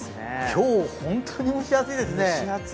今日本当に蒸し暑いですね。